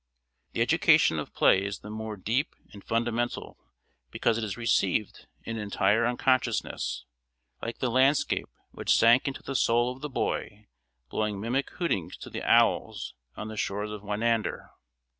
The education of play is the more deep and fundamental because it is received in entire unconsciousness; like the landscape which sank into the soul of the boy blowing mimic hootings to the owls on the shore of Winander.